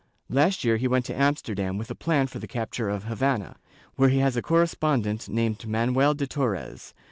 Last year he went to Amsterdam with a plan for the capture of Havana, where he has a correspondent named Manuel de Torres.